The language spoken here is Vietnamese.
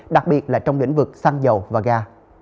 đặc biệt là trong lĩnh vực xăng dầu và ga